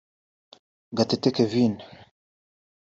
Gatete Kevin